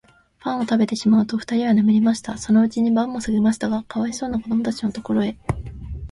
パンをたべてしまうと、ふたりは眠りました。そのうちに晩もすぎましたが、かわいそうなこどもたちのところへ、